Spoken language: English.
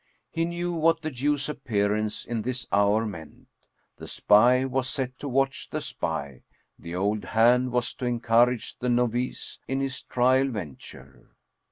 He knew what the Jew's appearance in this hour meant. The spy was set to watch the spy, the old hand was to encourage the novice in his trial venture.